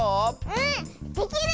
うんできる！